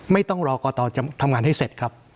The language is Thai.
ไม่ต้องรอกรจะทำงานให้เสร็จครับ